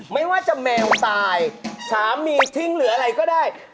ไม่ว่าจะแมวตายสามีทิ้งหรืออะไรก็ได้